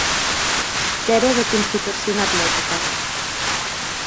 Qu'ère de constitucion atletica.